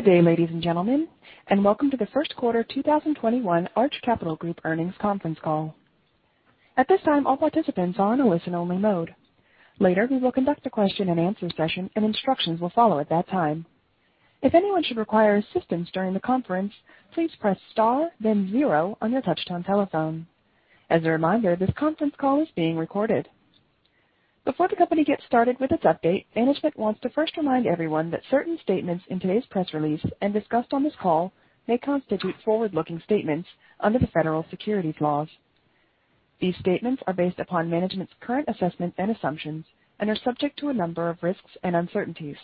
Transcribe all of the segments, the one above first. Good day, ladies and gentlemen, and welcome to the first quarter 2021 Arch Capital Group earnings conference call. At this time all participants are in listen only mode. Later, we will conduct a question and answer session and instructions will follow at that time. If anyone requires assistance during the conference, please press star then zero on your touch-tone telephone. As a reminder this conference call is being recorded. Before the company gets started with its update, management wants to first remind everyone that certain statements in today's press release and discussed on this call may constitute forward-looking statements under the federal securities laws. These statements are based upon management's current assessment and assumptions and are subject to a number of risks and uncertainties.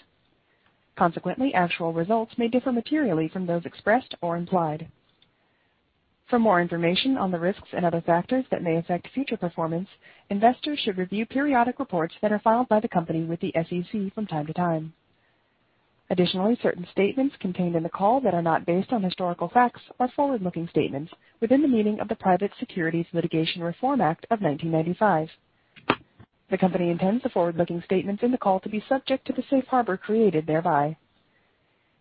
Consequently, actual results may differ materially from those expressed or implied. For more information on the risks and other factors that may affect future performance, investors should review periodic reports that are filed by the company with the SEC from time to time. Additionally, certain statements contained in the call that are not based on historical facts are forward-looking statements within the meaning of the Private Securities Litigation Reform Act of 1995. The company intends the forward-looking statements in the call to be subject to the safe harbor created thereby.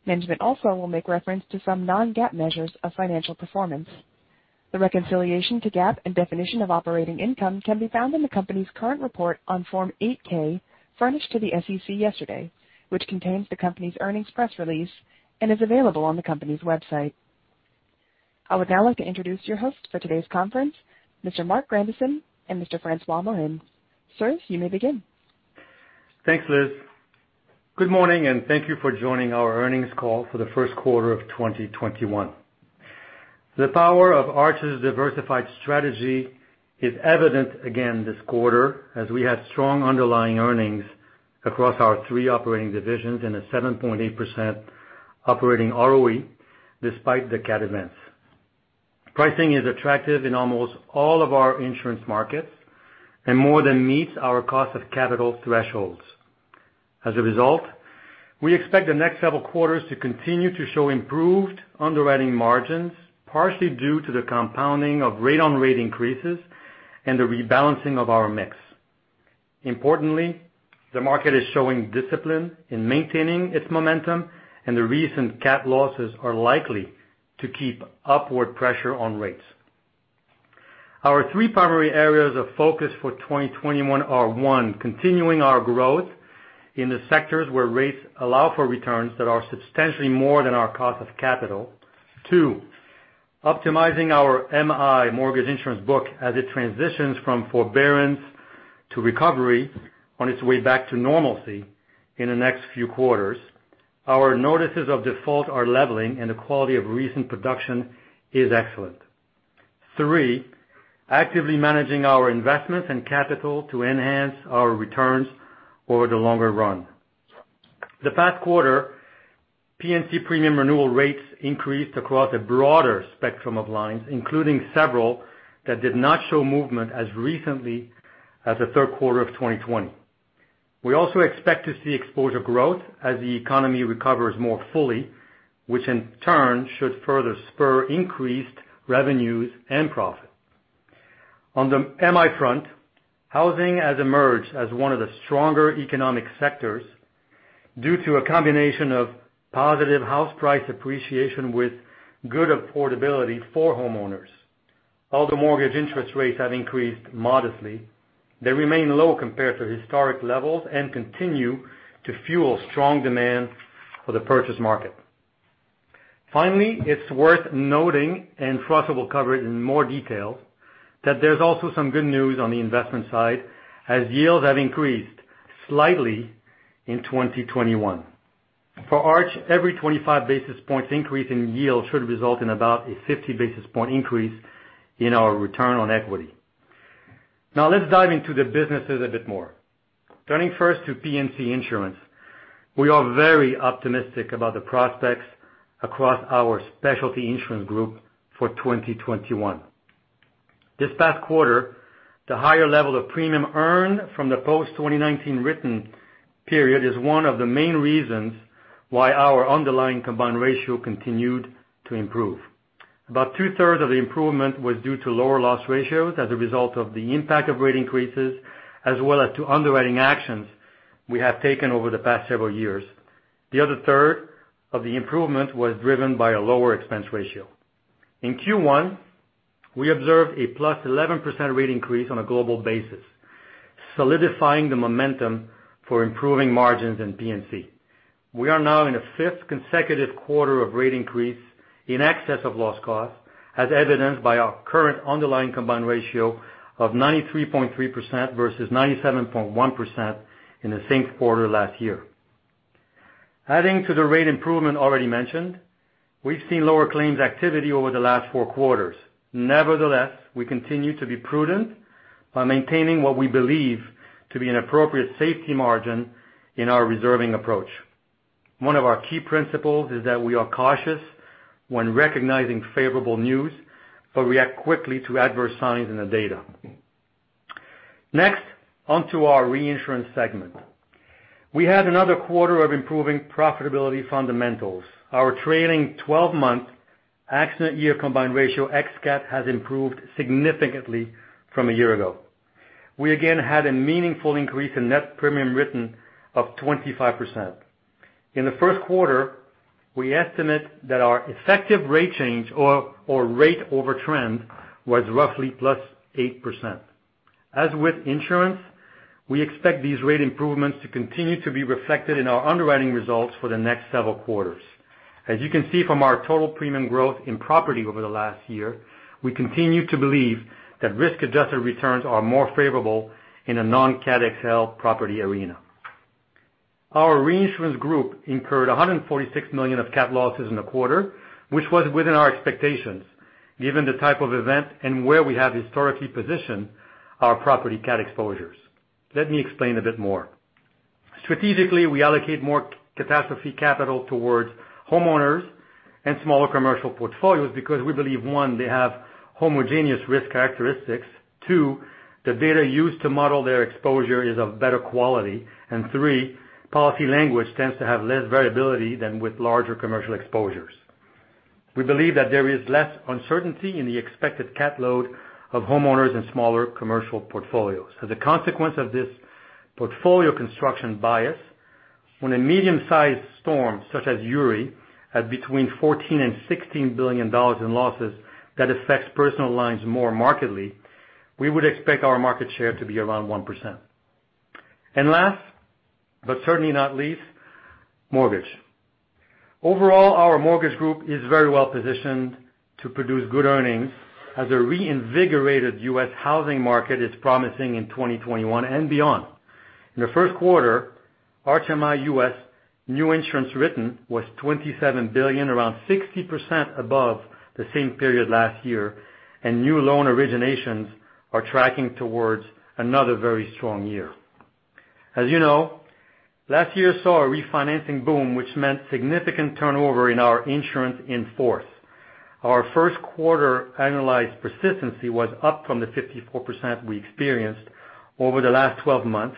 Management also will make reference to some non-GAAP measures of financial performance. The reconciliation to GAAP and definition of operating income can be found in the company's current report on Form 8-K furnished to the SEC yesterday, which contains the company's earnings press release and is available on the company's website. I would now like to introduce your host for today's conference, Mr. Marc Grandisson and Mr. François Morin. Sirs, you may begin. Thanks, Liz. Good morning, and thank you for joining our earnings call for the first quarter of 2021. The power of Arch's diversified strategy is evident again this quarter as we had strong underlying earnings across our three operating divisions and a 7.8% operating ROE despite the cat events. Pricing is attractive in almost all of our insurance markets and more than meets our cost of capital thresholds. As a result, we expect the next several quarters to continue to show improved underwriting margins, partially due to the compounding of rate on rate increases and the rebalancing of our mix. Importantly, the market is showing discipline in maintaining its momentum, and the recent cat losses are likely to keep upward pressure on rates. Our three primary areas of focus for 2021 are, one, continuing our growth in the sectors where rates allow for returns that are substantially more than our cost of capital. Two, optimizing our MI, mortgage insurance book as it transitions from forbearance to recovery on its way back to normalcy in the next few quarters. Our notices of default are leveling, and the quality of recent production is excellent. Three, actively managing our investments and capital to enhance our returns over the longer run. The past quarter, P&C premium renewal rates increased across a broader spectrum of lines, including several that did not show movement as recently as the third quarter of 2020. We also expect to see exposure growth as the economy recovers more fully, which in turn should further spur increased revenues and profit. On the MI front, housing has emerged as one of the stronger economic sectors due to a combination of positive house price appreciation with good affordability for homeowners. Although mortgage interest rates have increased modestly, they remain low compared to historic levels and continue to fuel strong demand for the purchase market. Finally, it's worth noting, and François will cover it in more detail, that there's also some good news on the investment side as yields have increased slightly in 2021. For Arch, every 25 basis points increase in yield should result in about a 50 basis point increase in our return on equity. Now let's dive into the businesses a bit more. Turning first to P&C insurance. We are very optimistic about the prospects across our specialty insurance group for 2021. This past quarter, the higher level of premium earned from the post-2019 written period is one of the main reasons why our underlying combined ratio continued to improve. About 2/3 of the improvement was due to lower loss ratios as a result of the impact of rate increases, as well as to underwriting actions we have taken over the past several years. The other third of the improvement was driven by a lower expense ratio. In Q1, we observed a +11% rate increase on a global basis, solidifying the momentum for improving margins in P&C. We are now in the fifth consecutive quarter of rate increase in excess of loss cost, as evidenced by our current underlying combined ratio of 93.3% versus 97.1% in the same quarter last year. Adding to the rate improvement already mentioned, we've seen lower claims activity over the last four quarters. Nevertheless, we continue to be prudent by maintaining what we believe to be an appropriate safety margin in our reserving approach. One of our key principles is that we are cautious when recognizing favorable news but react quickly to adverse signs in the data. On to our reinsurance segment. We had another quarter of improving profitability fundamentals. Our trailing 12-month accident year combined ratio, ex-cat, has improved significantly from a year ago. We again had a meaningful increase in net premium written of 25%. In the first quarter, we estimate that our effective rate change or rate over trend was roughly +8%. As with insurance, we expect these rate improvements to continue to be reflected in our underwriting results for the next several quarters. As you can see from our total premium growth in property over the last year, we continue to believe that risk-adjusted returns are more favorable in a non-cat XL property arena. Our reinsurance group incurred $146 million of cat losses in the quarter, which was within our expectations given the type of event and where we have historically positioned our property cat exposures. Let me explain a bit more. Strategically, we allocate more catastrophe capital towards homeowners and smaller commercial portfolios because we believe, one, they have homogeneous risk characteristics. Two, the data used to model their exposure is of better quality. Three, policy language tends to have less variability than with larger commercial exposures. We believe that there is less uncertainty in the expected cat load of homeowners and smaller commercial portfolios. As a consequence of this portfolio construction bias, when a medium-sized storm such as Uri had between $14 billion and $16 billion in losses that affects personal lines more markedly, we would expect our market share to be around 1%. Last, but certainly not least, mortgage. Overall, our mortgage group is very well positioned to produce good earnings as a reinvigorated U.S. housing market is promising in 2021 and beyond. In the first quarter, Arch MI US new insurance written was $27 billion, around 60% above the same period last year, and new loan originations are tracking towards another very strong year. As you know, last year saw a refinancing boom, which meant significant turnover in our insurance in force. Our first quarter annualized persistency was up from the 54% we experienced over the last 12 months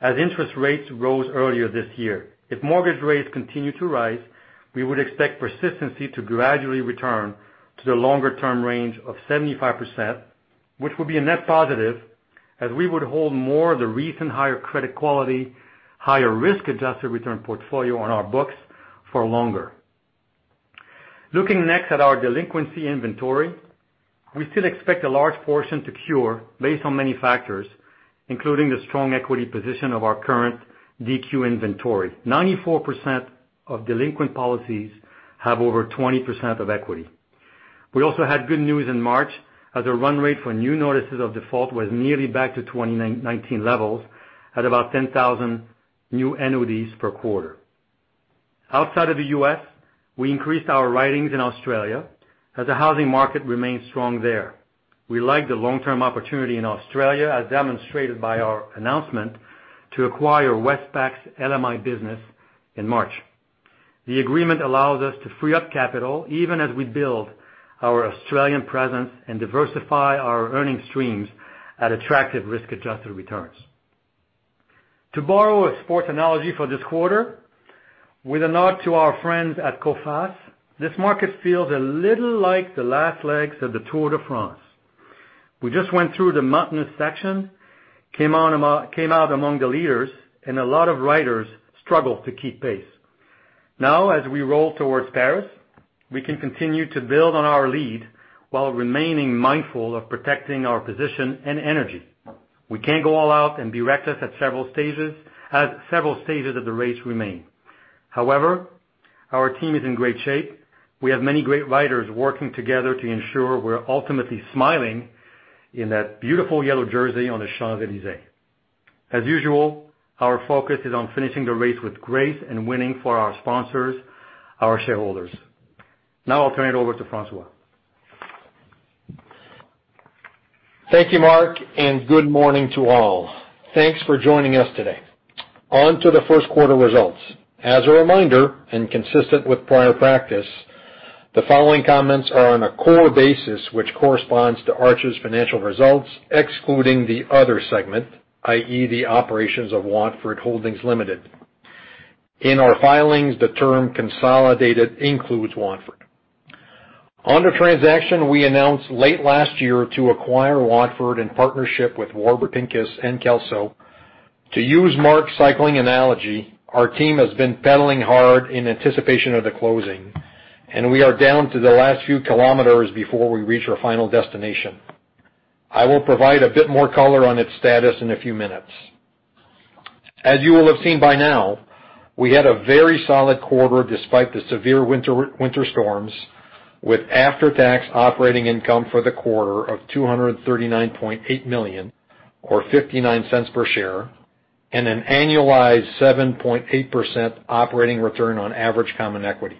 as interest rates rose earlier this year. If mortgage rates continue to rise, we would expect persistency to gradually return to the longer-term range of 75%, which would be a net positive, as we would hold more of the recent higher credit quality, higher risk-adjusted return portfolio on our books for longer. Looking next at our delinquency inventory, we still expect a large portion to cure based on many factors, including the strong equity position of our current DQ inventory. 94% of delinquent policies have over 20% of equity. We also had good news in March as the run rate for new notices of default was nearly back to 2019 levels at about 10,000 new NODs per quarter. Outside of the U.S., we increased our writings in Australia as the housing market remains strong there. We like the long-term opportunity in Australia, as demonstrated by our announcement to acquire Westpac's LMI business in March. The agreement allows us to free up capital even as we build our Australian presence and diversify our earning streams at attractive risk-adjusted returns. To borrow a sports analogy for this quarter, with a nod to our friends at Coface, this market feels a little like the last legs of the Tour de France. We just went through the mountainous section, came out among the leaders, and a lot of riders struggled to keep pace. As we roll towards Paris, we can continue to build on our lead while remaining mindful of protecting our position and energy. We can't go all out and be reckless as several stages of the race remain. However, our team is in great shape. We have many great riders working together to ensure we're ultimately smiling in that beautiful yellow jersey on the Champs-Élysées. As usual, our focus is on finishing the race with grace and winning for our sponsors, our shareholders. Now I'll turn it over to François. Thank you, Marc. Good morning to all. Thanks for joining us today. On to the first quarter results. As a reminder, consistent with prior practice, the following comments are on a core basis, which corresponds to Arch's financial results, excluding the other segment, i.e., the operations of Watford Holdings Ltd. In our filings, the term consolidated includes Watford. On the transaction we announced late last year to acquire Watford in partnership with Warburg Pincus and Kelso, to use Marc's cycling analogy, our team has been pedaling hard in anticipation of the closing. We are down to the last few kilometers before we reach our final destination. I will provide a bit more color on its status in a few minutes. As you will have seen by now, we had a very solid quarter despite the severe winter storms, with after-tax operating income for the quarter of $239.8 million, or $0.59 per share, and an annualized 7.8% operating return on average common equity.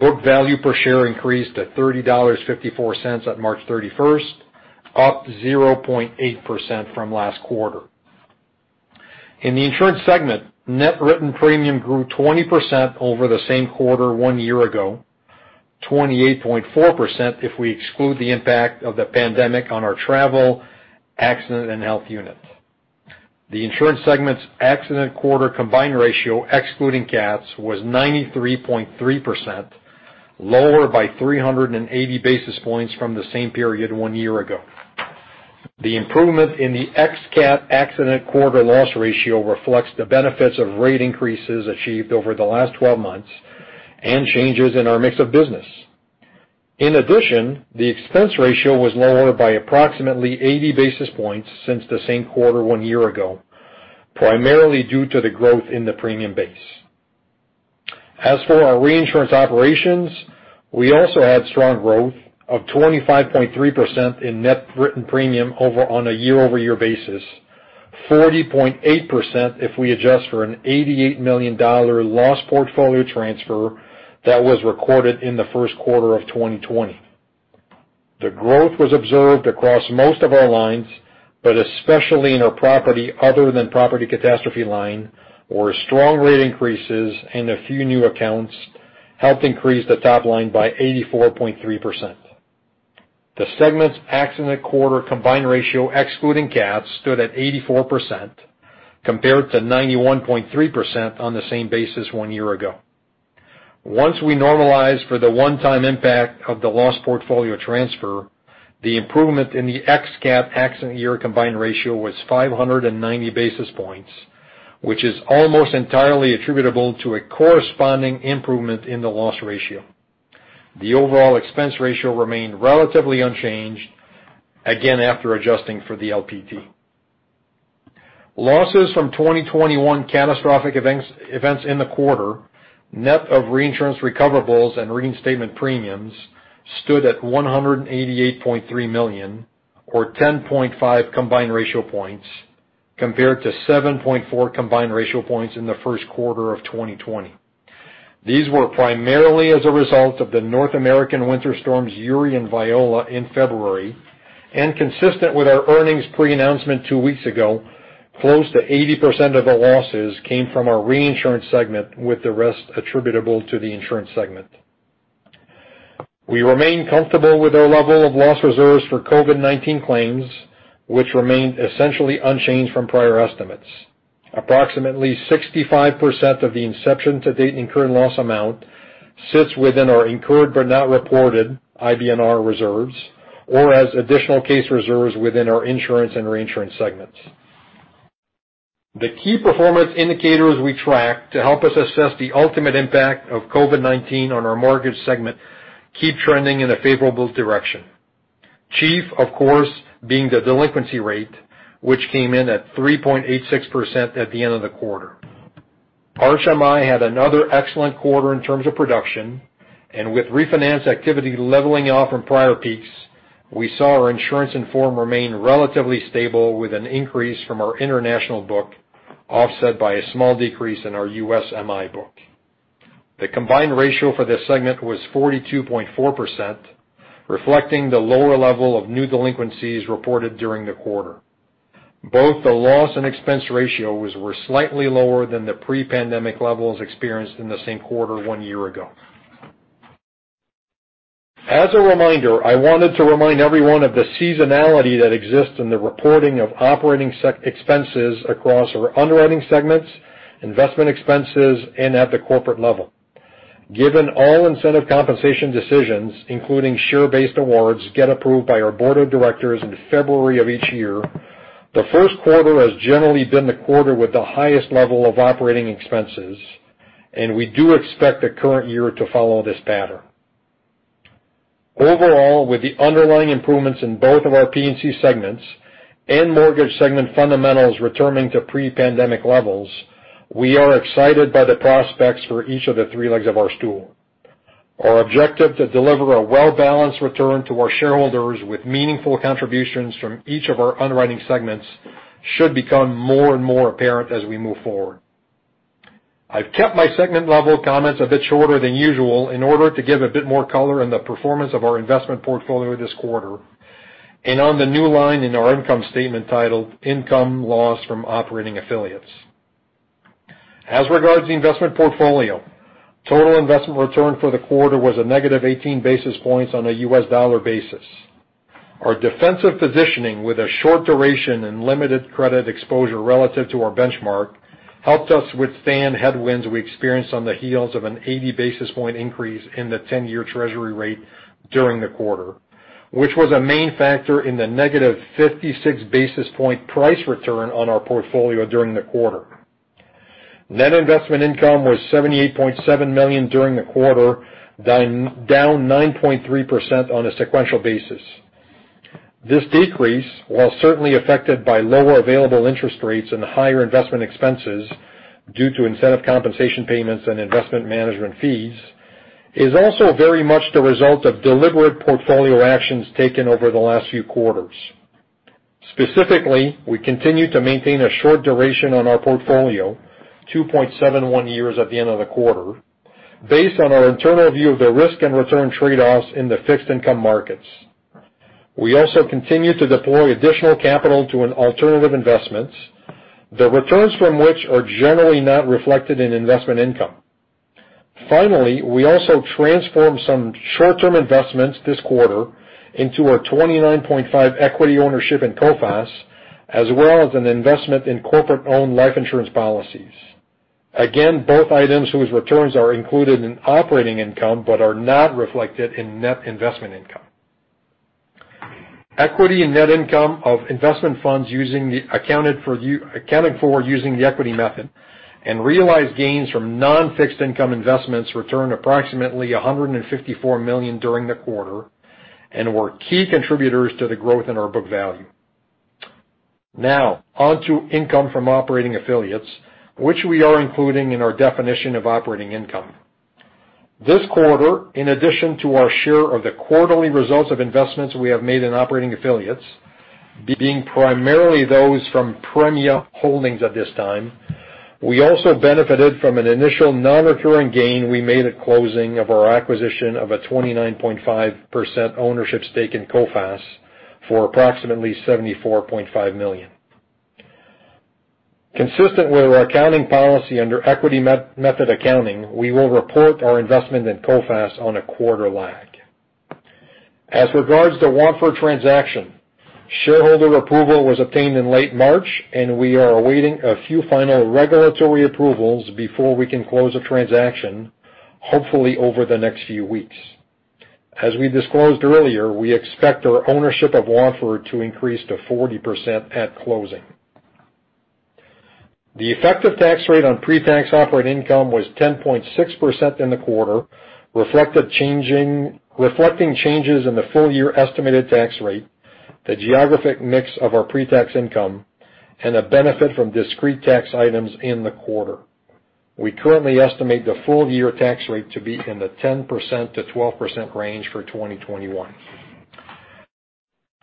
Book value per share increased to $30.54 on March 31st, up 0.8% from last quarter. In the insurance segment, net written premium grew 20% over the same quarter one year ago, 28.4% if we exclude the impact of the pandemic on our travel, accident, and health unit. The insurance segment's accident quarter combined ratio, excluding cats, was 93.3%, lower by 380 basis points from the same period one year ago. The improvement in the ex-cat accident quarter loss ratio reflects the benefits of rate increases achieved over the last 12 months and changes in our mix of business. In addition, the expense ratio was lower by approximately 80 basis points since the same quarter one year ago, primarily due to the growth in the premium base. As for our reinsurance operations, we also had strong growth of 25.3% in net written premium on a YoY basis, 40.8% if we adjust for an $88 million loss portfolio transfer that was recorded in the first quarter of 2020. The growth was observed across most of our lines, but especially in our property, other than property catastrophe line, where strong rate increases and a few new accounts helped increase the top line by 84.3%. The segment's accident quarter combined ratio, excluding cats, stood at 84%, compared to 91.3% on the same basis one year ago. Once we normalize for the one-time impact of the loss portfolio transfer, the improvement in the ex-cat accident year combined ratio was 590 basis points, which is almost entirely attributable to a corresponding improvement in the loss ratio. The overall expense ratio remained relatively unchanged, again after adjusting for the LPT. Losses from 2021 catastrophic events in the quarter, net of reinsurance recoverables and reinstatement premiums, stood at $188.3 million, or 10.5 combined ratio points, compared to 7.4 combined ratio points in the first quarter of 2020. These were primarily as a result of the North American Winter Storms Uri and Viola in February, and consistent with our earnings pre-announcement two weeks ago, close to 80% of the losses came from our reinsurance segment, with the rest attributable to the insurance segment. We remain comfortable with our level of loss reserves for COVID-19 claims, which remained essentially unchanged from prior estimates. Approximately 65% of the inception to date incurred loss amount sits within our incurred but not reported IBNR reserves or as additional case reserves within our insurance and reinsurance segments. The key performance indicators we track to help us assess the ultimate impact of COVID-19 on our mortgage segment keep trending in a favorable direction. Chief, of course, being the delinquency rate, which came in at 3.86% at the end of the quarter. Arch MI had another excellent quarter in terms of production, and with refinance activity leveling off from prior peaks, we saw our insurance in force remain relatively stable, with an increase from our international book offset by a small decrease in our U.S. MI book. The combined ratio for this segment was 42.4%, reflecting the lower level of new delinquencies reported during the quarter. Both the loss and expense ratios were slightly lower than the pre-pandemic levels experienced in the same quarter one year ago. As a reminder, I wanted to remind everyone of the seasonality that exists in the reporting of operating expenses across our underwriting segments, investment expenses, and at the corporate level. Given all incentive compensation decisions, including share-based awards, get approved by our board of directors in February of each year, the first quarter has generally been the quarter with the highest level of operating expenses, and we do expect the current year to follow this pattern. Overall, with the underlying improvements in both of our P&C segments and mortgage segment fundamentals returning to pre-pandemic levels, we are excited by the prospects for each of the three legs of our stool. Our objective to deliver a well-balanced return to our shareholders with meaningful contributions from each of our underwriting segments should become more and more apparent as we move forward. I've kept my segment-level comments a bit shorter than usual in order to give a bit more color on the performance of our investment portfolio this quarter, and on the new line in our income statement titled "Income Loss from Operating Affiliates." As regards the investment portfolio, total investment return for the quarter was a negative 18 basis points on a U.S. dollar basis. Our defensive positioning with a short duration and limited credit exposure relative to our benchmark helped us withstand headwinds we experienced on the heels of an 80 basis point increase in the 10-year treasury rate during the quarter, which was a main factor in the negative 56 basis point price return on our portfolio during the quarter. Net investment income was $78.7 million during the quarter, down 9.3% on a sequential basis. This decrease, while certainly affected by lower available interest rates and higher investment expenses due to incentive compensation payments and investment management fees, is also very much the result of deliberate portfolio actions taken over the last few quarters. Specifically, we continue to maintain a short duration on our portfolio, 2.71 years at the end of the quarter, based on our internal view of the risk and return trade-offs in the fixed income markets. We also continue to deploy additional capital to alternative investments, the returns from which are generally not reflected in investment income. Finally, we also transformed some short-term investments this quarter into our 29.5% equity ownership in Coface, as well as an investment in corporate-owned life insurance policies. Both items whose returns are included in operating income but are not reflected in net investment income. Equity and net income of investment funds accounting for using the equity method, and realized gains from non-fixed income investments returned approximately $154 million during the quarter, and were key contributors to the growth in our book value. On to income from operating affiliates, which we are including in our definition of operating income. This quarter, in addition to our share of the quarterly results of investments we have made in operating affiliates, being primarily those from Premia Holdings at this time, we also benefited from an initial non-recurring gain we made at closing of our acquisition of a 29.5% ownership stake in Coface for approximately $74.5 million. Consistent with our accounting policy under equity method accounting, we will report our investment in Coface on a quarter lag. As regards the Watford transaction, shareholder approval was obtained in late March, and we are awaiting a few final regulatory approvals before we can close the transaction, hopefully over the next few weeks. As we disclosed earlier, we expect our ownership of Watford to increase to 40% at closing. The effective tax rate on pre-tax operating income was 10.6% in the quarter, reflecting changes in the full-year estimated tax rate, the geographic mix of our pre-tax income, and the benefit from discrete tax items in the quarter. We currently estimate the full-year tax rate to be in the 10%-12% range for 2021.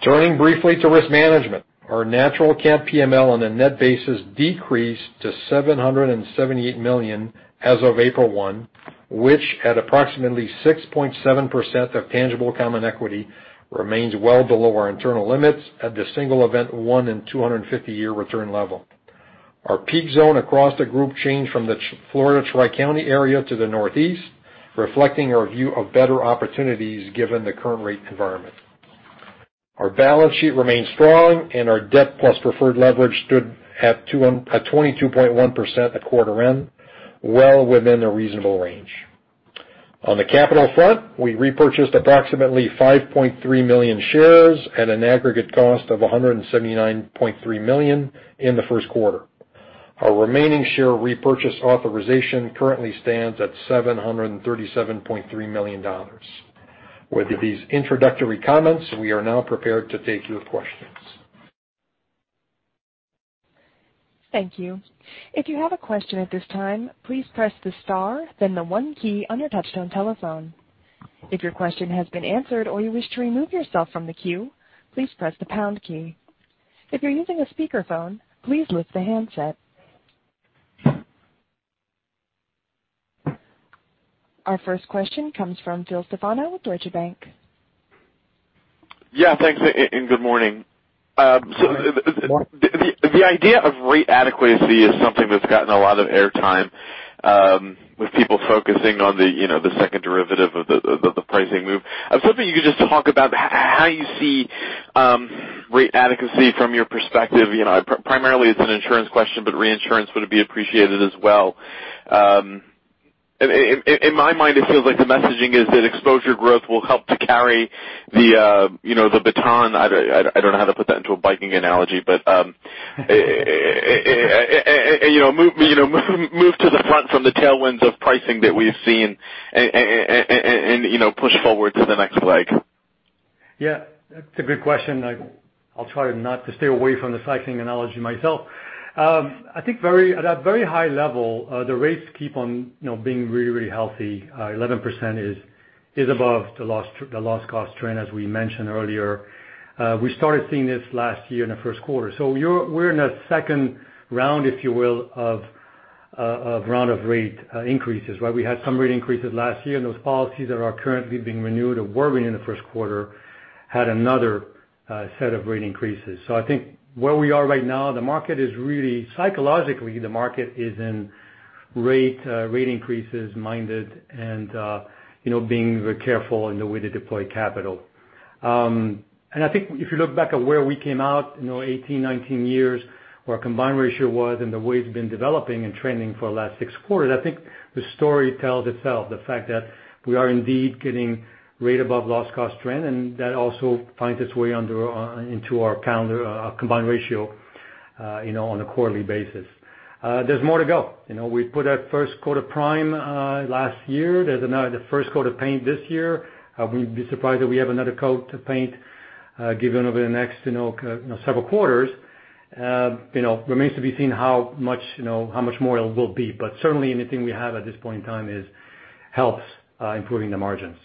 Turning briefly to risk management, our natural cat PML on a net basis decreased to $778 million as of April 1, which at approximately 6.7% of tangible common equity, remains well below our internal limits at the single event one in 250-year return level. Our peak zone across the group changed from the Florida Tri-County area to the Northeast, reflecting our view of better opportunities given the current rate environment. Our balance sheet remains strong, and our debt plus preferred leverage stood at 22.1% at quarter end, well within the reasonable range. On the capital front, we repurchased approximately 5.3 million shares at an aggregate cost of $179.3 million in the first quarter. Our remaining share repurchase authorization currently stands at $737.3 million. With these introductory comments, we are now prepared to take your questions. Thank you. If you have a question at this time, please press the star then one key on your touch-tone phone. If your question has been answered or you wish to remove yourself from the queue, please press the pound key. If you are using a speakerphone please lift the handset. Our first question comes from Phil Stefano with Deutsche Bank. Yeah, thanks. Good morning. The idea of rate adequacy is something that's gotten a lot of air time with people focusing on the second derivative of the pricing move. Something you could just talk about how you see rate adequacy from your perspective. Primarily it's an insurance question, but reinsurance would be appreciated as well. In my mind, it feels like the messaging is that exposure growth will help to carry the baton. I don't know how to put that into a biking analogy, but move to the front from the tailwinds of pricing that we've seen and push forward to the next leg. Yeah, that's a good question. I'll try to stay away from the cycling analogy myself. I think at a very high level, the rates keep on being really healthy. 11% is above the loss cost trend, as we mentioned earlier. We started seeing this last year in the first quarter. We're in a second round, if you will, of rate increases, right? We had some rate increases last year, and those policies that are currently being renewed or were renewed in the first quarter had another set of rate increases. I think where we are right now, psychologically, the market is in rate increases minded and being very careful in the way they deploy capital. I think if you look back at where we came out, 18, 19 years, where our combined ratio was and the way it's been developing and trending for the last six quarters, I think the story tells itself. The fact that we are indeed getting rate above loss cost trend, and that also finds its way into our combined ratio on a quarterly basis. There's more to go. We put our first coat of prime last year. There's the first coat of paint this year. I wouldn't be surprised if we have another coat to paint given over the next several quarters. Remains to be seen how much more it will be, but certainly anything we have at this point in time helps improving the margins.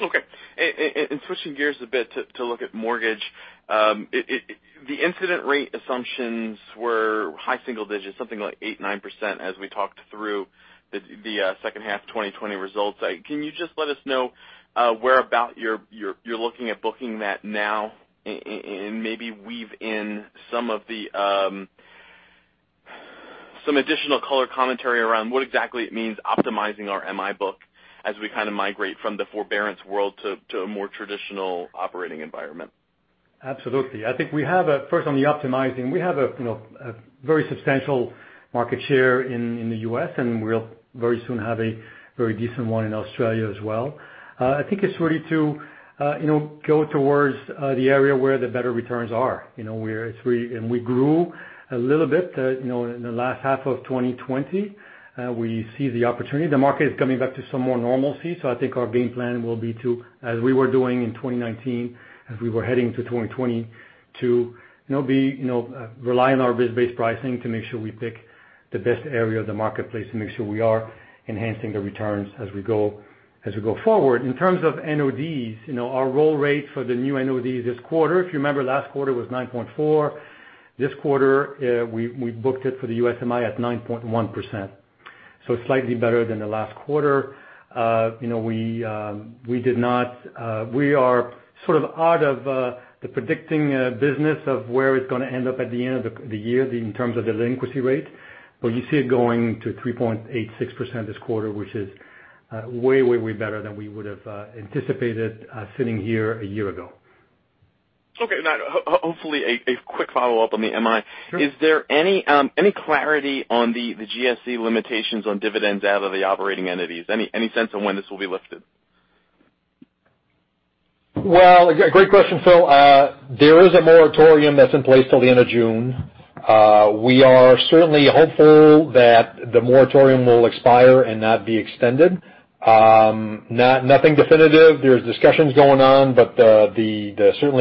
Okay. Switching gears a bit to look at mortgage. The incident rate assumptions were high single digits, something like 8%, 9%, as we talked through the second half 2020 results. Can you just let us know where about you're looking at booking that now, and maybe weave in? Some additional color commentary around what exactly it means optimizing our MI book as we kind of migrate from the forbearance world to a more traditional operating environment. Absolutely. I think we have, first on the optimizing, we have a very substantial market share in the U.S., and we'll very soon have a very decent one in Australia as well. I think it's really to go towards the area where the better returns are. We grew a little bit in the last half of 2020. We see the opportunity. The market is coming back to some more normalcy, I think our game plan will be to, as we were doing in 2019, as we were heading to 2020, to rely on our risk-based pricing to make sure we pick the best area of the marketplace to make sure we are enhancing the returns as we go forward. In terms of NODs, our roll rate for the new NOD this quarter, if you remember, last quarter was 9.4. This quarter, we booked it for the US MI at 9.1%, slightly better than the last quarter. We are sort of out of the predicting business of where it's going to end up at the end of the year in terms of the delinquency rate. You see it going to 3.86% this quarter, which is way better than we would have anticipated sitting here a year ago. Okay. Now, hopefully a quick follow-up on the MI. Sure. Is there any clarity on the GSE limitations on dividends out of the operating entities? Any sense on when this will be lifted? Well, great question, Phil. There is a moratorium that's in place till the end of June. We are certainly hopeful that the moratorium will expire and not be extended. Nothing definitive. Certainly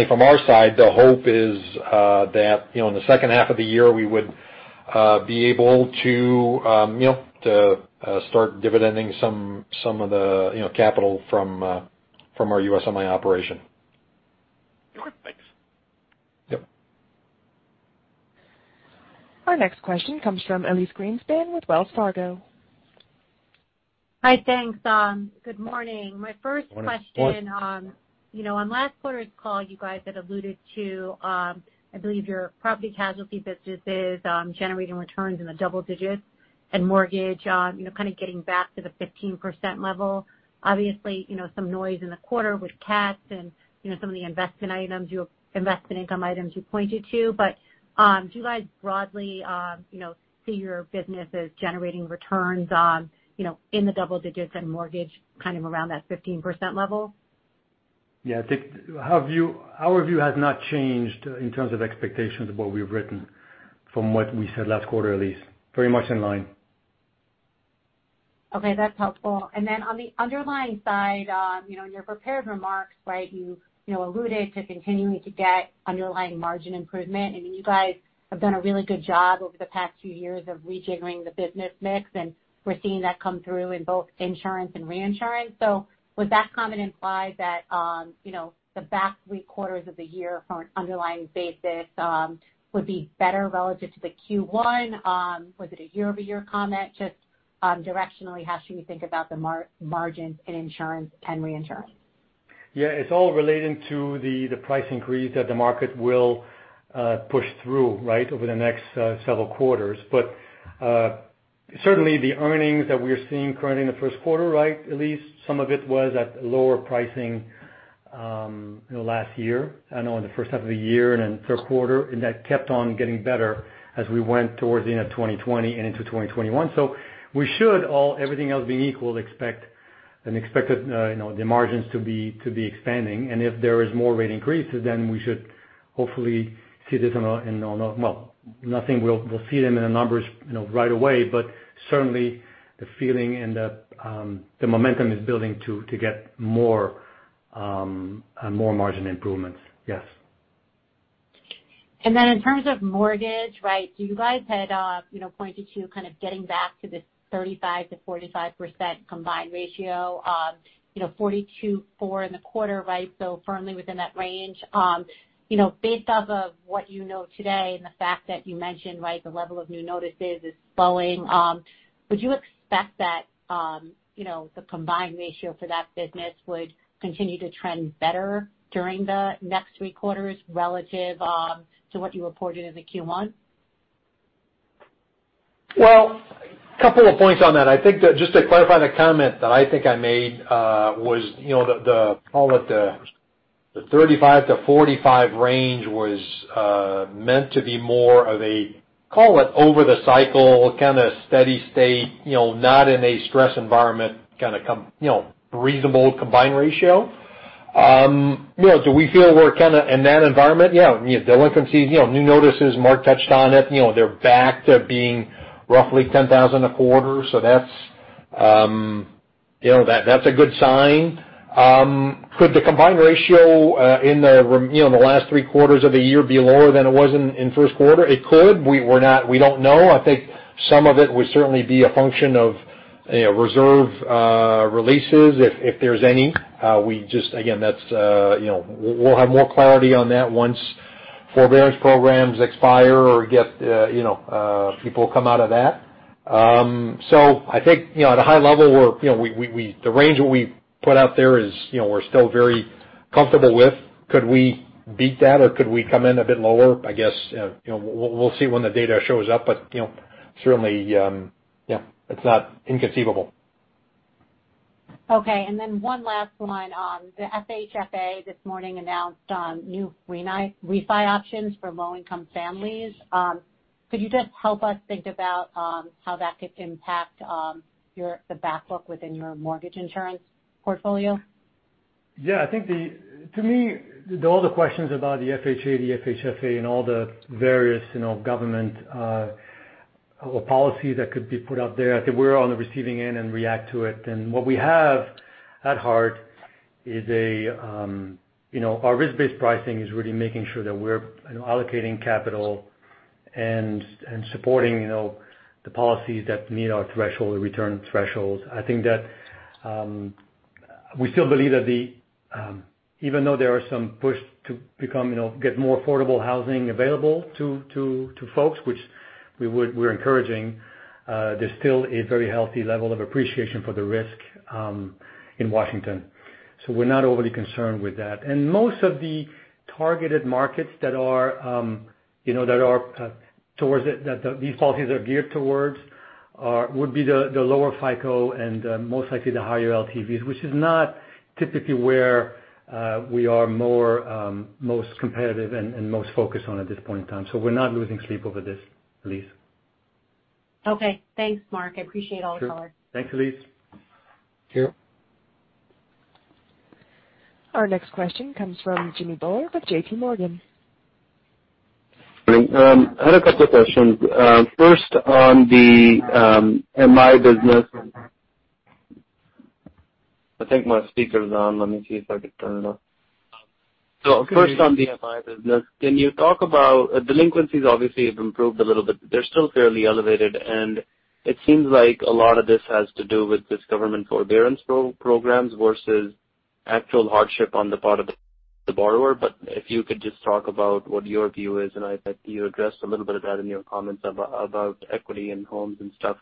from our side, the hope is that in the second half of the year, we would be able to start dividending some of the capital from our U.S. MI operation. Sure. Thanks. Yep. Our next question comes from Elyse Greenspan with Wells Fargo. Hi, thanks. Good morning. Morning. My first question. On last quarter's call, you guys had alluded to, I believe your property casualty business is generating returns in the double digits and mortgage kind of getting back to the 15% level. Obviously, some noise in the quarter with CATs and some of the investment income items you pointed to. Do you guys broadly see your business as generating returns in the double digits and mortgage kind of around that 15% level? Yeah, our view has not changed in terms of expectations of what we've written from what we said last quarter, Elyse. Very much in line. Okay, that's helpful. On the underlying side, in your prepared remarks, you alluded to continuing to get underlying margin improvement. You guys have done a really good job over the past few years of rejiggering the business mix, and we're seeing that come through in both insurance and reinsurance. Would that comment imply that the back three quarters of the year from an underlying basis would be better relative to the Q1? Was it a YoY comment? Just directionally, how should we think about the margins in insurance and reinsurance? Yeah, it's all relating to the price increase that the market will push through over the next several quarters. Certainly the earnings that we are seeing currently in the first quarter, at least some of it was at lower pricing last year, I know in the first half of the year and then third quarter. That kept on getting better as we went towards the end of 2020 and into 2021. We should all, everything else being equal, expect the margins to be expanding. If there is more rate increases, then we should hopefully see this well, nothing will see them in the numbers right away, certainly the feeling and the momentum is building to get more margin improvements. Yes. In terms of mortgage, you guys had pointed to kind of getting back to this 35%-45% combined ratio. 42.4 in the quarter, so firmly within that range. Based off of what you know today and the fact that you mentioned the level of new notices is slowing, would you expect that the combined ratio for that business would continue to trend better during the next three quarters relative to what you reported in the Q1? Well, a couple of points on that. I think that just to clarify the comment that I think I made was, call it the 35-45 range was meant to be more of a, call it over the cycle, kind of steady state, not in a stress environment, kind of reasonable combined ratio. Do we feel we're kind of in that environment? Yeah. Delinquencies, new notices, Marc touched on it. They're back to being roughly 10,000 a quarter, so that's a good sign. Could the combined ratio in the last three quarters of the year be lower than it was in first quarter? It could. We don't know. I think some of it would certainly be a function of reserve releases, if there's any. We'll have more clarity on that once forbearance programs expire or people come out of that. I think, at a high level, the range that we put out there is we're still very comfortable with. Could we beat that or could we come in a bit lower? I guess, we'll see when the data shows up, but certainly, yeah, it's not inconceivable. Okay. One last one. The FHFA this morning announced new refi options for low-income families. Could you just help us think about how that could impact the back book within your mortgage insurance portfolio? Yeah. To me, all the questions about the FHA, the FHFA, and all the various government policies that could be put out there, I think we're on the receiving end and react to it. What we have at heart is our risk-based pricing is really making sure that we're allocating capital and supporting the policies that meet our return thresholds. I think that we still believe that even though there are some push to get more affordable housing available to folks, which we're encouraging there's still a very healthy level of appreciation for the risk in Washington. We're not overly concerned with that. Most of the targeted markets that these policies are geared towards would be the lower FICO and most likely the higher LTVs, which is not typically where we are most competitive and most focused on at this point in time. We're not losing sleep over this, Elyse. Okay. Thanks, Marc. I appreciate all the color. Sure. Thanks, Elyse. Sure. Our next question comes from Jimmy Bhullar with JPMorgan. I had a couple questions. First, on the MI business. I think my speaker's on. Let me see if I could turn it off. First on the MI business. Can you talk about, delinquencies obviously have improved a little bit. They're still fairly elevated, and it seems like a lot of this has to do with this government forbearance programs versus actual hardship on the part of the borrower. If you could just talk about what your view is, and I think you addressed a little bit of that in your comments about equity and homes and stuff.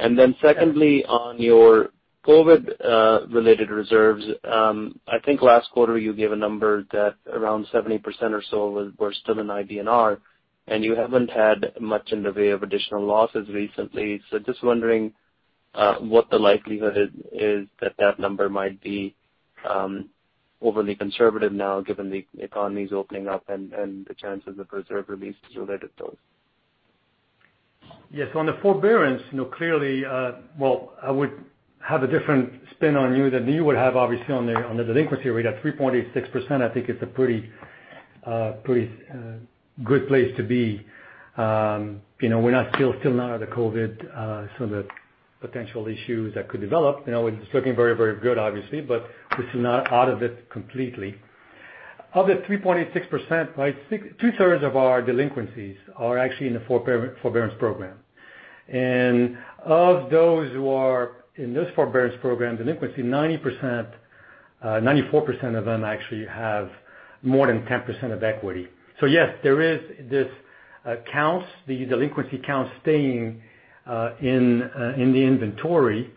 Secondly, on your COVID related reserves, I think last quarter you gave a number that around 70% or so were still in IBNR, and you haven't had much in the way of additional losses recently. Just wondering what the likelihood is that number might be overly conservative now, given the economy's opening up and the chances of reserve release related to those. Yes. On the forbearance, clearly, well, I would have a different spin on you than you would have, obviously, on the delinquency rate at 3.86%. I think it's a pretty good place to be. We're still not out of COVID, so the potential issues that could develop, it's looking very good, obviously, but we're still not out of it completely. Of the 3.86%, 2/3 of our delinquencies are actually in the forbearance program. Of those who are in this forbearance program delinquency, 94% of them actually have more than 10% of equity. Yes, there is this counts, the delinquency counts staying in the inventory.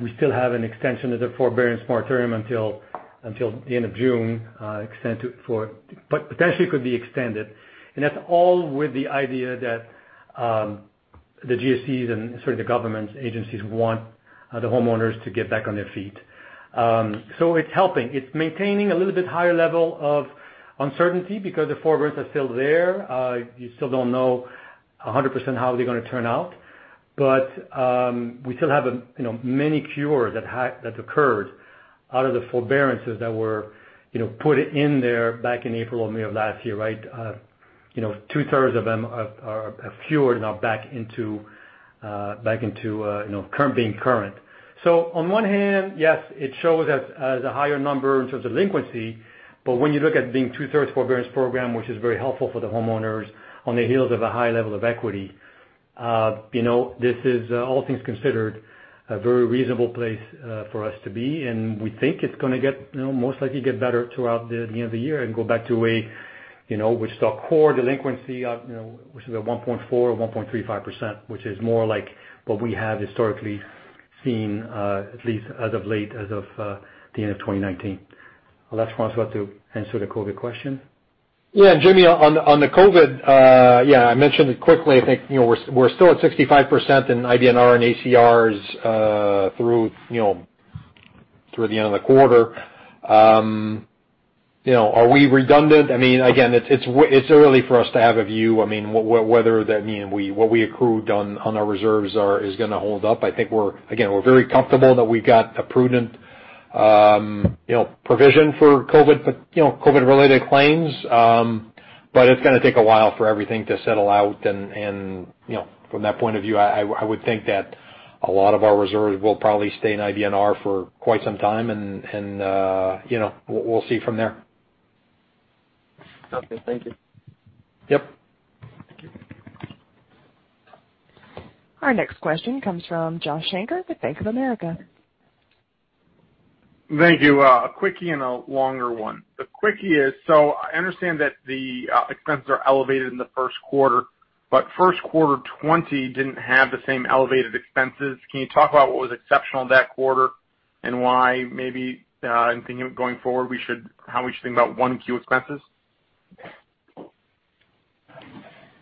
We still have an extension of the forbearance moratorium until the end of June, but potentially could be extended. That's all with the idea that the GSEs and sort of the government agencies want the homeowners to get back on their feet. It's helping. It's maintaining a little bit higher level of uncertainty because the forbearance are still there. You still don't know 100% how they're going to turn out. We still have many cures that occurred out of the forbearances that were put in there back in April or May of last year, right? 2/3 of them are cured and are back into being current. On one hand, yes, it shows as a higher number in terms of delinquency. When you look at being 2/3 forbearance program, which is very helpful for the homeowners on the heels of a high level of equity this is, all things considered, a very reasonable place for us to be. We think it's going to most likely get better throughout the end of the year and go back to a, with stock core delinquency, which is at 1.4 or 1.35%, which is more like what we have historically seen at least as of late as of the end of 2019. I'll ask François to answer the COVID question. Yeah. Jimmy, on the COVID, I mentioned it quickly. I think we're still at 65% in IBNR and ACRs through the end of the quarter. Are we redundant? Again, it's early for us to have a view. Whether what we accrued on our reserves is going to hold up. Again, we're very comfortable that we've got a prudent provision for COVID related claims. It's going to take a while for everything to settle out. From that point of view, I would think that a lot of our reserves will probably stay in IBNR for quite some time, and we'll see from there. Okay. Thank you. Yep. Thank you. Our next question comes from Josh Shanker with Bank of America. Thank you. A quickie and a longer one. The quickie is, I understand that the expenses are elevated in the first quarter, but first quarter 2020 didn't have the same elevated expenses. Can you talk about what was exceptional that quarter and why maybe, in thinking of going forward, how we should think about 1Q expenses?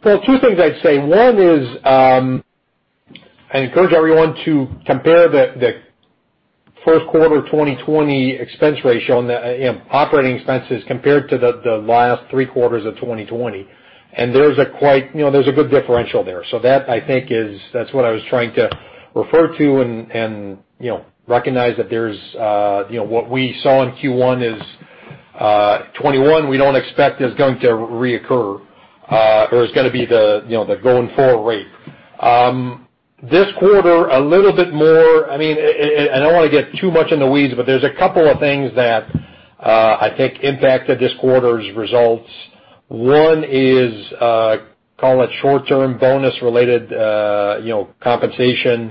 Well, two things I'd say. One is, I encourage everyone to compare the first quarter 2020 expense ratio on the operating expenses compared to the last three quarters of 2020. There's a good differential there. That I think is, that's what I was trying to refer to and recognize that what we saw in Q1 2021, we don't expect is going to reoccur, or is going to be the going forward rate. This quarter, a little bit more, I don't want to get too much in the weeds, but there's a couple of things that I think impacted this quarter's results. One is, call it short-term bonus related compensation,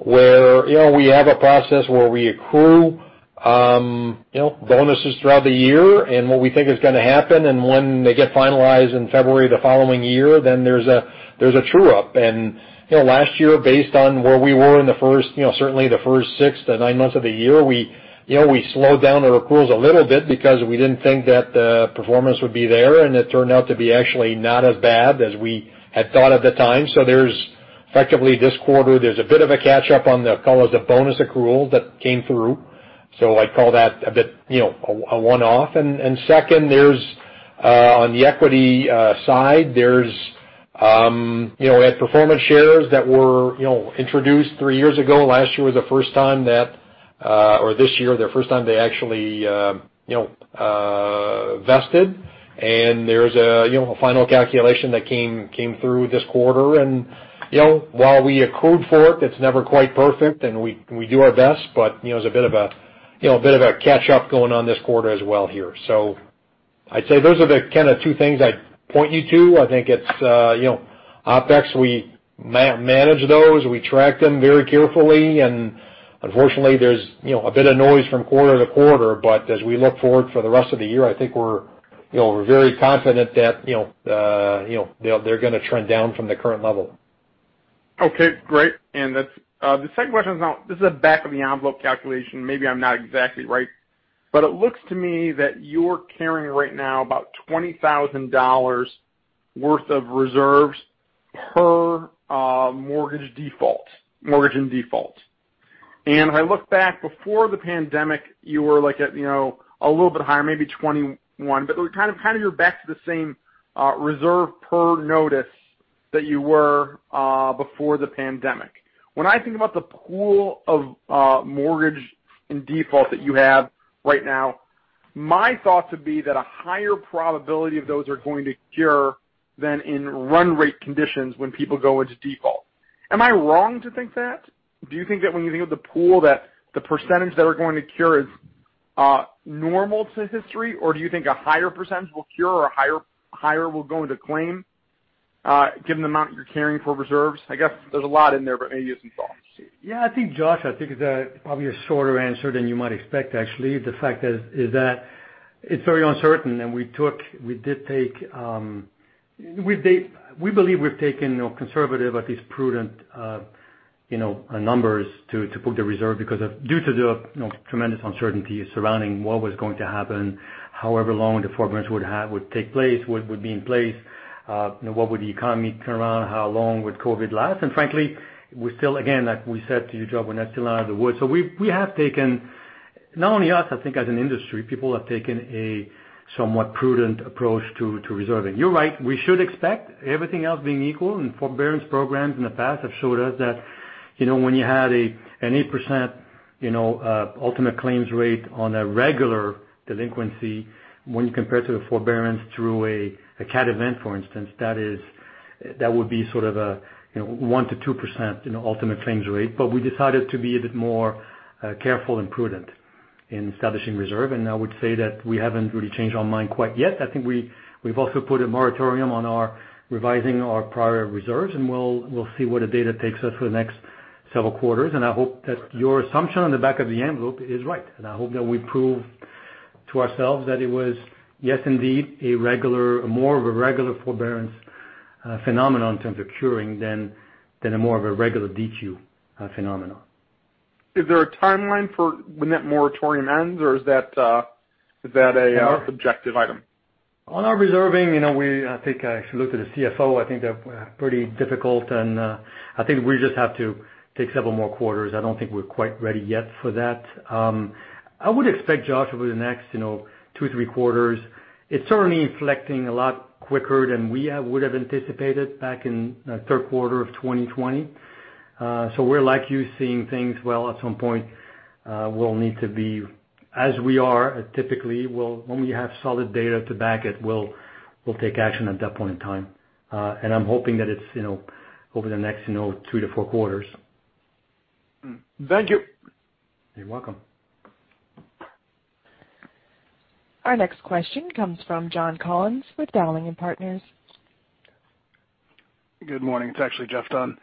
where we have a process where we accrue bonuses throughout the year and what we think is going to happen. When they get finalized in February the following year, then there's a true-up. Last year, based on where we were in certainly the first six to nine months of the year, we slowed down the accruals a little bit because we didn't think that the performance would be there, and it turned out to be actually not as bad as we had thought at the time. There's effectively this quarter, there's a bit of a catch up on the, call it the bonus accrual that came through. I call that a one-off. Second, on the equity side, we had performance shares that were introduced three years ago. Last year was the first time that, or this year, the first time they actually vested. There's a final calculation that came through this quarter. While we accrued for it's never quite perfect, and we do our best, but it's a bit of a catch up going on this quarter as well here. I'd say those are the kind of two things I'd point you to. I think it's OpEx, we manage those, we track them very carefully, and unfortunately, there's a bit of noise from quarter to quarter, but as we look forward for the rest of the year, I think we're very confident that they're going to trend down from the current level. Okay, great. The second question is now, this is a back of the envelope calculation. Maybe I'm not exactly right, but it looks to me that you're carrying right now about $20,000 worth of reserves per mortgage in default. If I look back before the pandemic, you were like at a little bit higher, maybe 21, but kind of you're back to the same reserve per notice that you were before the pandemic. When I think about the pool of mortgage in default that you have right now, my thought would be that a higher probability of those are going to cure than in run rate conditions when people go into default. Am I wrong to think that? Do you think that when you think of the pool, that the percentage that are going to cure is normal to history? Do you think a higher percentage will cure or higher will go into claim given the amount you're carrying for reserves? I guess there's a lot in there, but any of those thoughts. Yeah, I think, Josh, I think it's probably a shorter answer than you might expect, actually. The fact is that it's very uncertain. We believe we've taken a conservative, at least prudent numbers to put the reserve because due to the tremendous uncertainty surrounding what was going to happen, however long the forbearance would take place, would be in place, what would the economy turn around. How long would COVID last. Frankly, we're still, again, like we said to you, Josh, we're not still out of the woods. We have taken, not only us, I think as an industry, people have taken a somewhat prudent approach to reserving. You're right, we should expect everything else being equal. Forbearance programs in the past have showed us that when you had an 8% ultimate claims rate on a regular delinquency, when you compare to the forbearance through a cat event, for instance, that would be sort of a 1%-2% ultimate claims rate. We decided to be a bit more careful and prudent in establishing reserve. I would say that we haven't really changed our mind quite yet. I think we've also put a moratorium on revising our prior reserves. We'll see where the data takes us for the next several quarters. I hope that your assumption on the back of the envelope is right. I hope that we prove to ourselves that it was, yes, indeed, more of a regular forbearance phenomenon in terms of curing than a more of a regular DQ phenomenon. Is there a timeline for when that moratorium ends, or is that a subjective item? On our reserving, I think I should look to the CFO. I think they're pretty difficult, and I think we just have to take several more quarters. I don't think we're quite ready yet for that. I would expect, Josh, over the next two, three quarters. It's certainly inflecting a lot quicker than we would've anticipated back in third quarter of 2020. We're like you, seeing things well at some point will need to be as we are typically, when we have solid data to back it, we'll take action at that point in time. And I'm hoping that it's over the next three to four quarters. Thank you. You're welcome. Our next question comes from Geoff Dunn with Dowling & Partners. Good morning. It's actually Geoff Dunn.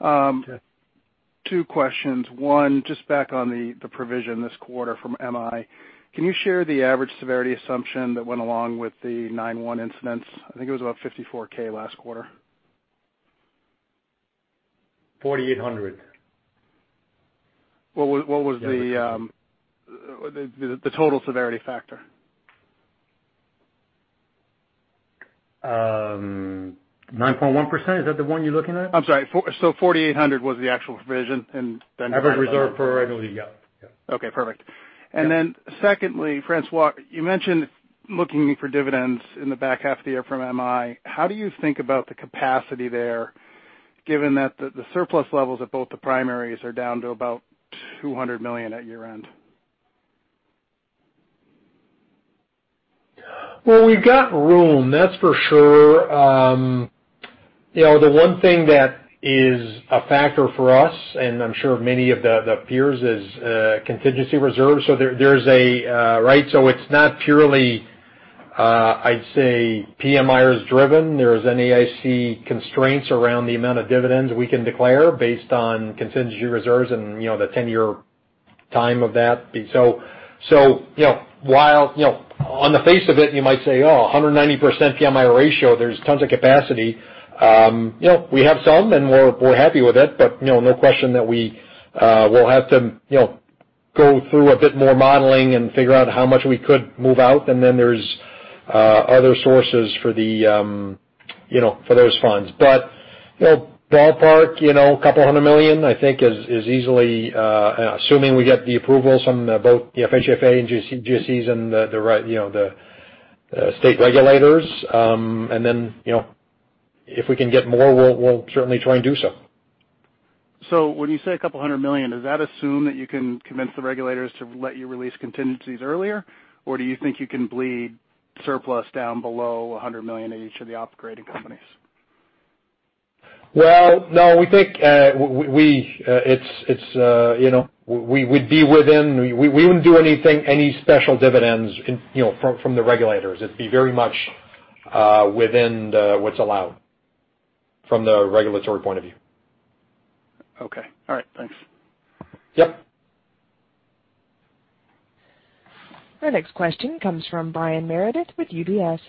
Okay. Two questions. One, just back on the provision this quarter from MI. Can you share the average severity assumption that went along with the 9.1 incidence? I think it was about $54,000 last quarter. $4,800. What was the total severity factor? 9.1%? Is that the one you're looking at? I'm sorry. $4,800 was the actual provision, and then- Average reserve for annually, yeah. Okay, perfect. Yeah. Secondly, François, you mentioned looking for dividends in the back half of the year from MI. How do you think about the capacity there, given that the surplus levels at both the primaries are down to about $200 million at year-end? Well, we've got room, that's for sure. The one thing that is a factor for us, I'm sure many of the peers, is contingency reserves. It's not purely, I'd say, PMIERs is driven. There's NAIC constraints around the amount of dividends we can declare based on contingency reserves and the 10-year time of that. While on the face of it, you might say, "Oh, 190% PMIERs ratio, there's tons of capacity." We have some, we're happy with it. No question that we'll have to go through a bit more modeling and figure out how much we could move out. There's other sources for those funds. Ballpark, a couple hundred million, I think is easily, assuming we get the approvals from both the FHFA and GSEs and the state regulators. If we can get more, we'll certainly try and do so. When you say a couple hundred million, does that assume that you can convince the regulators to let you release contingencies earlier? Or do you think you can bleed surplus down below $100 million at each of the operating companies? Well, no. We wouldn't do anything, any special dividends from the regulators. It'd be very much within what's allowed from the regulatory point of view. Okay. All right. Thanks. Yep. Our next question comes from Brian Meredith with UBS.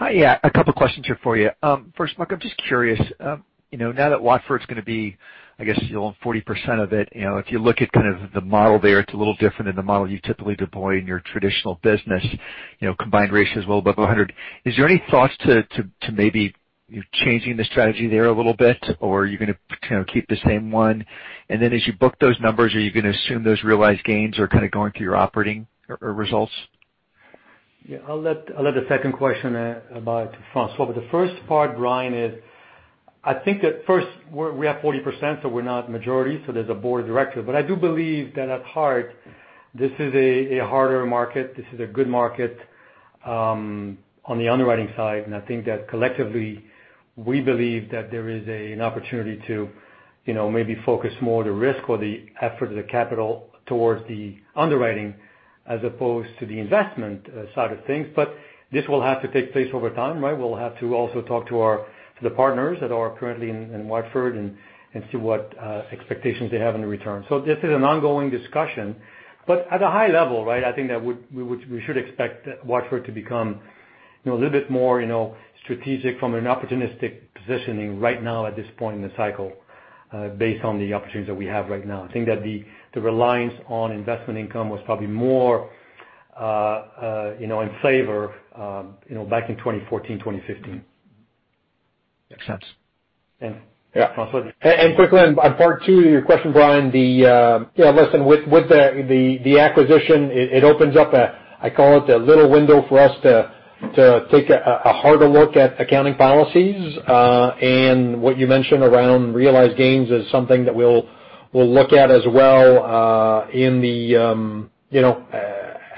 Hi. Yeah, a couple questions here for you. First, Marc, I'm just curious. Now that Watford's going to be, I guess you own 40% of it, if you look at kind of the model there, it's a little different than the model you typically deploy in your traditional business, combined ratio's well above 100. Is there any thoughts to maybe changing the strategy there a little bit, or are you going to keep the same one? Then as you book those numbers, are you going to assume those realized gains are kind of going to your operating results? Yeah, I'll let the second question about to François. The first part, Brian, is I think at first, we have 40%, so we're not majority, so there's a board of directors. I do believe that at heart, this is a harder market. This is a good market on the underwriting side. I think that collectively, we believe that there is an opportunity to maybe focus more of the risk or the efforts of the capital towards the underwriting as opposed to the investment side of things. This will have to take place over time, right? We'll have to also talk to the partners that are currently in Watford and see what expectations they have in return. This is an ongoing discussion, but at a high level, right? I think that we should expect Watford to become a little bit more strategic from an opportunistic positioning right now at this point in the cycle, based on the opportunities that we have right now. I think that the reliance on investment income was probably more in favor back in 2014, 2015. Makes sense. Yeah. Francois? Quickly on part two of your question, Brian, listen, with the acquisition, it opens up a, I call it the little window for us to take a harder look at accounting policies. What you mentioned around realized gains is something that we'll look at as well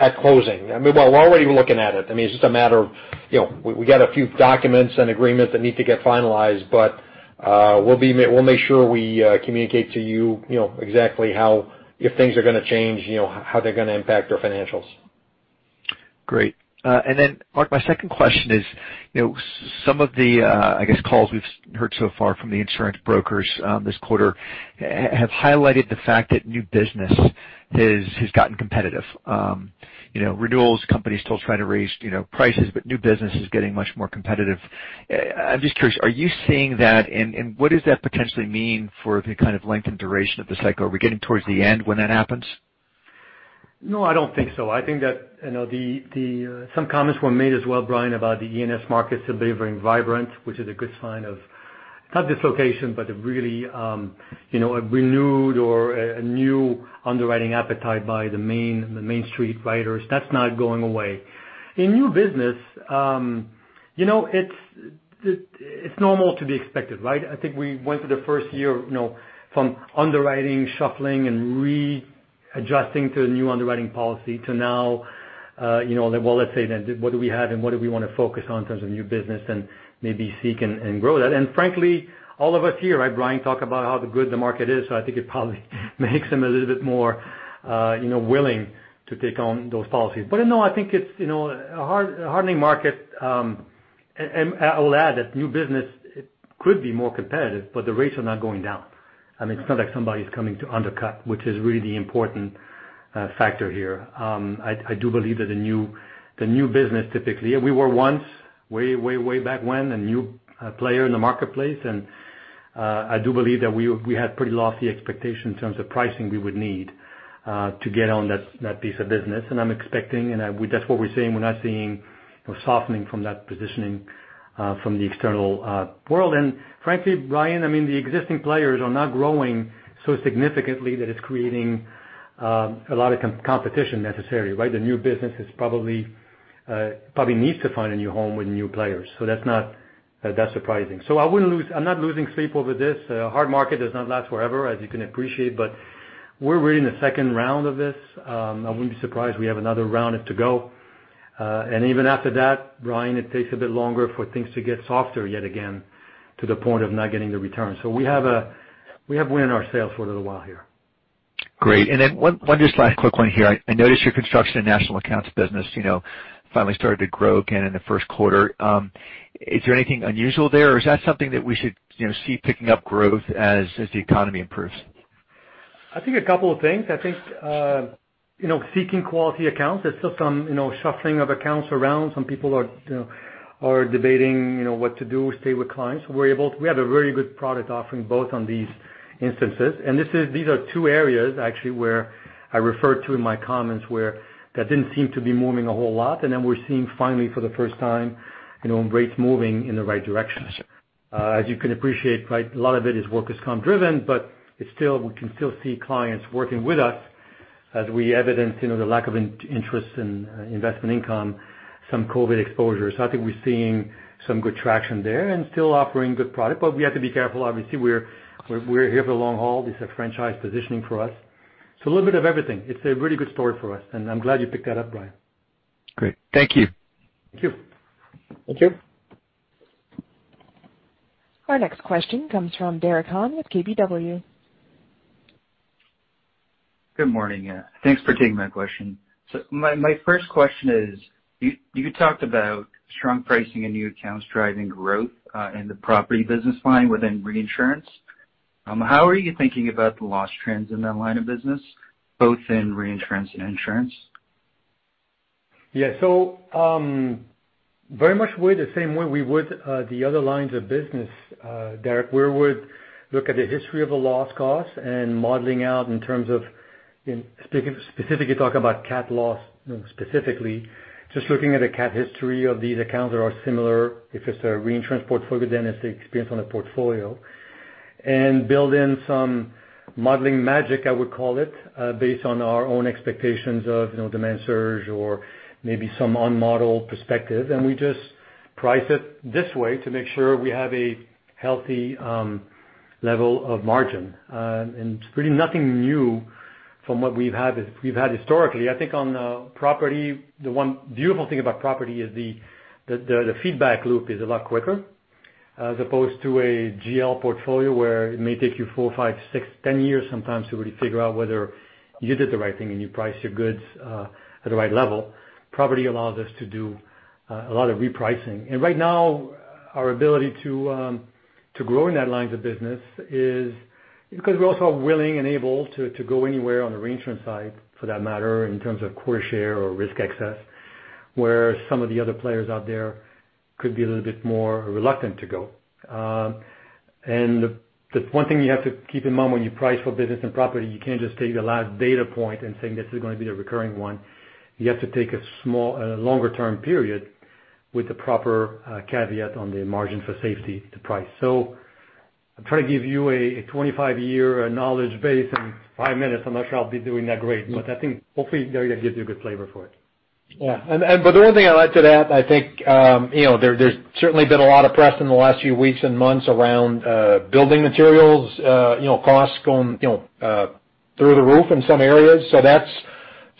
at closing. I mean, we're already looking at it. I mean, it's just a matter of we got a few documents and agreements that need to get finalized, we'll make sure we communicate to you exactly how, if things are going to change, how they're going to impact our financials. Great. Marc, my second question is, some of the, I guess, calls we've heard so far from the insurance brokers this quarter have highlighted the fact that new business has gotten competitive. Renewals, companies still trying to raise prices, but new business is getting much more competitive. I'm just curious, are you seeing that and what does that potentially mean for the kind of length and duration of the cycle? Are we getting towards the end when that happens? No, I don't think so. I think that some comments were made as well, Brian, about the E&S markets still being very vibrant, which is a good sign of, not dislocation, but a really renewed or a new underwriting appetite by the Main Street writers. That's not going away. In new business, it's normal to be expected, right? I think we went through the first year from underwriting, shuffling, and readjusting to the new underwriting policy to now, well, let's say then what do we have and what do we want to focus on in terms of new business and maybe seek and grow that. Frankly, all of us here, right, Brian, talk about how good the market is, so I think it probably makes them a little bit more willing to take on those policies. In all, I think it's a hardening market, and I will add that new business could be more competitive, but the rates are not going down. It's not like somebody's coming to undercut, which is really the important factor here. We were once, way back when, a new player in the marketplace, and I do believe that we had pretty lofty expectations in terms of pricing we would need to get on that piece of business. I'm expecting, and that's what we're seeing, we're not seeing a softening from that positioning from the external world. Frankly, Brian, the existing players are not growing so significantly that it's creating a lot of competition necessarily, right? The new business probably needs to find a new home with new players, so that's not that surprising. I'm not losing sleep over this. A hard market does not last forever, as you can appreciate, but we're really in the second round of this. I wouldn't be surprised if we have another round to go. Even after that, Brian, it takes a bit longer for things to get softer yet again, to the point of not getting the return. We have wind in our sails for a little while here. Great. Then one just last quick one here. I noticed your construction and national accounts business finally started to grow again in the first quarter. Is there anything unusual there, or is that something that we should see picking up growth as the economy improves? I think a couple of things. I think seeking quality accounts, there's still some shuffling of accounts around. Some people are debating what to do, stay with clients. We have a very good product offering both on these instances, and these are two areas actually where I referred to in my comments where that didn't seem to be moving a whole lot, and then we're seeing finally for the first time rates moving in the right direction. As you can appreciate, a lot of it is workers' comp driven, but we can still see clients working with us as we evidence the lack of interest in investment income, some COVID exposures. I think we're seeing some good traction there and still offering good product. We have to be careful. Obviously, we're here for the long haul. This is a franchise positioning for us. A little bit of everything. It's a really good story for us, and I'm glad you picked that up, Brian. Great. Thank you. Thank you. Thank you. Our next question comes from Derek Han with KBW. Good morning. Thanks for taking my question. My first question is, you talked about strong pricing in new accounts driving growth in the property business line within reinsurance. How are you thinking about the loss trends in that line of business, both in reinsurance and insurance? Yeah. Very much the same way we would the other lines of business, Derek. We would look at the history of a loss cost and modeling out in terms of, specifically talk about cat loss specifically, just looking at a cat history of these accounts that are similar. If it's a reinsurance portfolio, then it's the experience on the portfolio. Build in some modeling magic, I would call it, based on our own expectations of demand surge or maybe some unmodeled perspective. We just price it this way to make sure we have a healthy level of margin. It's really nothing new from what we've had historically. I think on the property, the one beautiful thing about property is the feedback loop is a lot quicker, as opposed to a GL portfolio, where it may take you four, five, six, 10 years sometimes to really figure out whether you did the right thing and you priced your goods at the right level. Property allows us to do a lot of repricing. Right now, our ability to grow in that lines of business is because we're also willing and able to go anywhere on the reinsurance side for that matter, in terms of quota share or risk excess, where some of the other players out there could be a little bit more reluctant to go. The one thing you have to keep in mind when you price for business and property, you can't just take the last data point and think this is going to be a recurring one. You have to take a longer term period with the proper caveat on the margin for safety to price. I'm trying to give you a 25-year knowledge base in five minutes. I'm not sure I'll be doing that great. I think hopefully, Derek, it gives you a good flavor for it. Yeah. The one thing I'd like to add, I think there's certainly been a lot of press in the last few weeks and months around building materials costs going through the roof in some areas. That's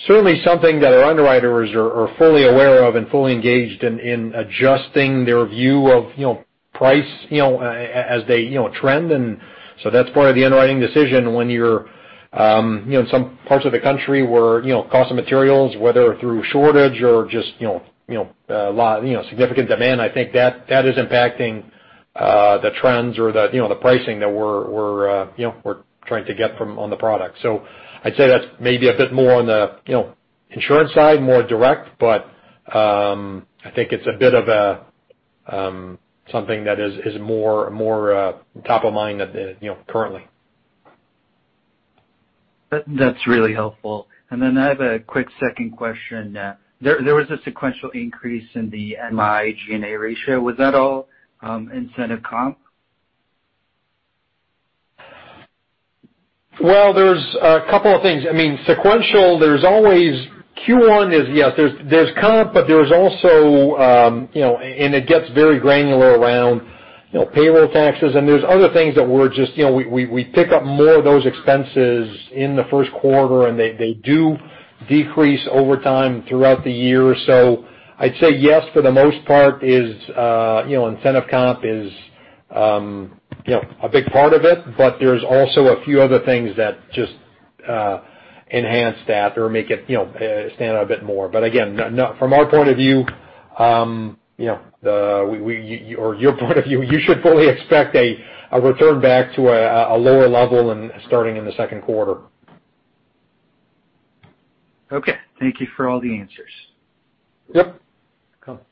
certainly something that our underwriters are fully aware of and fully engaged in adjusting their view of price as they trend. That's part of the underwriting decision when you're in some parts of the country where cost of materials, whether through shortage or just significant demand, I think that is impacting the trends or the pricing that we're trying to get on the product. I'd say that's maybe a bit more on the insurance side, more direct, but I think it's a bit of something that is more top of mind currently. That's really helpful. I have a quick second question. There was a sequential increase in the non-insurance G&A ratio. Was that all incentive comp? Well, there's a couple of things. Sequential, there's always Q1 is, yes, there's comp, but there's also, and it gets very granular around payroll taxes, and there's other things that we pick up more of those expenses in the first quarter, and they do decrease over time throughout the year. I'd say yes for the most part is incentive comp is a big part of it, but there's also a few other things that just enhance that or make it stand out a bit more. Again, from our point of view, or your point of view, you should fully expect a return back to a lower level starting in the second quarter. Okay. Thank you for all the answers. Yep. Welcome.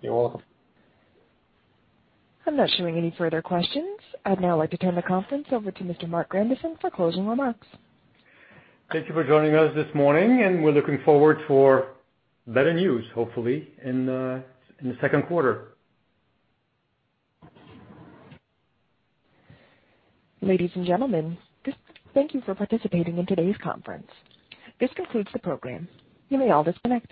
You're welcome. I'm not showing any further questions. I'd now like to turn the conference over to Mr. Marc Grandisson for closing remarks. Thank you for joining us this morning. We're looking forward for better news, hopefully, in the second quarter. Ladies and gentlemen, thank you for participating in today's conference. This concludes the program. You may disconnect.